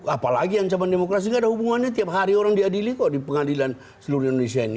apalagi ancaman demokrasi gak ada hubungannya tiap hari orang diadili kok di pengadilan seluruh indonesia ini